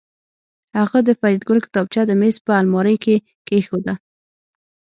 هغه د فریدګل کتابچه د میز په المارۍ کې کېښوده